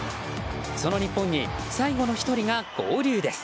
その日本に最後の１人が合流です。